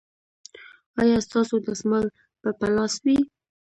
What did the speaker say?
ایا ستاسو دستمال به په لاس وي؟